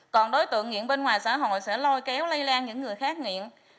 còn đối tượng nghiện bên ngoài xã hội sẽ lôi kéo lây lan những người khác nghiện